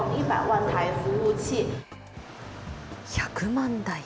１００万台。